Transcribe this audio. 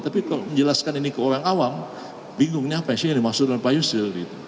tapi kalau menjelaskan ini ke orang awam bingung ini apa sih yang dimaksud dengan pak yusril